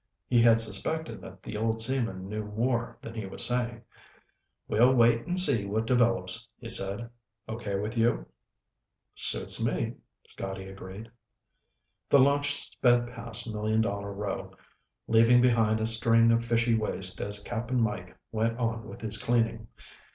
He had suspected that the old seaman knew more than he was saying. "We'll wait and see what develops," he said. "Okay with you?" "Suits me," Scotty agreed. The launch sped past Million Dollar Row, leaving behind a string of fishy waste as Cap'n Mike went on with his cleaning.